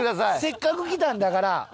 せっかく来たんだから。